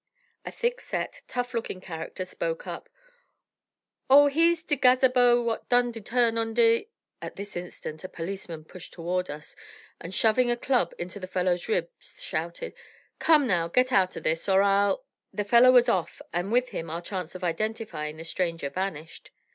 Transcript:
A thick set, tough looking character spoke up: "Oh, he's de gazabo wot did the turn on de " At this instant a policeman pushed toward us, and, shoving a club into the fellow's ribs, shouted: "Come, now, get out o' this, or I'll " The fellow was off, and with him our chance of identifying the stranger vanished.